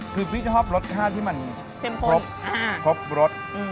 คือปี๊ชชอบรสข้าวที่มันครบรส